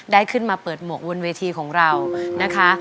ได้ขึ้นมาเปิดหมวกบนเวทีของเรานะคะ